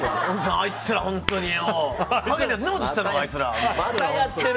あいつら、本当によ。